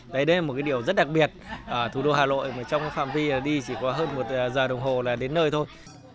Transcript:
đấy đây là một cái điều rất đặc biệt ở thủ đô hà nội mà trong phạm vi đi chỉ có hơn một giờ đồng hồ là đến nơi thôi